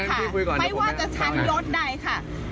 ไม่ว่าจะชั้นยศใดค่ะ